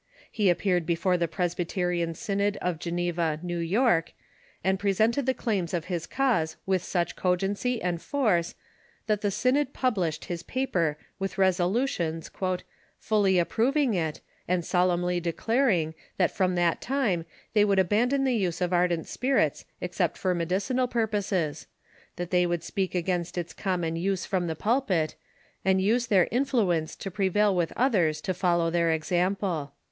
He appeared before the Presbyterian Synod of Geneva, New York, and presented the claims of his cause with such cogency and force that the synod published his pa per with resolutions "fully approving it, and solemnly declar ing that from that time they would abandon the use of ardent spirits, except for medicinal purposes ; that they would speak against its common use from the pulpit ... and use their influence to prevail with others to follow their example."